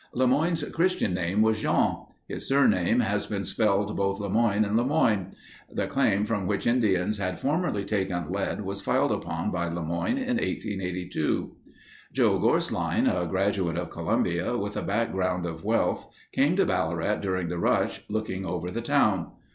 LeMoyne's Christian name was Jean. His surname has been spelled both Lemoigne and Lemoine. The claim from which Indians had formerly taken lead was filed upon by LeMoyne in 1882. Joe Gorsline, a graduate of Columbia, with a background of wealth, came to Ballarat during the rush, looked over the town.